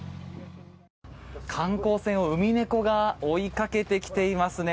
観光船をウミネコが追いかけてきていますね。